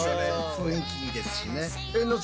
雰囲気いいですしね。